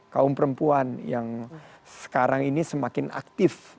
kaum perempuan yang sekarang ini semakin aktif